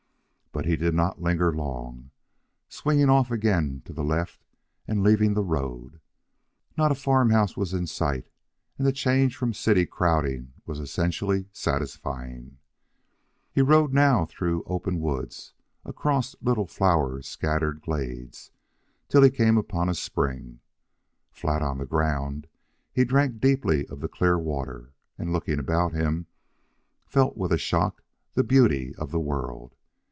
But he did not linger long, swinging off again to the left and leaving the road. Not a farm house was in sight, and the change from the city crowding was essentially satisfying. He rode now through open woods, across little flower scattered glades, till he came upon a spring. Flat on the ground, he drank deeply of the clear water, and, looking about him, felt with a shock the beauty of the world.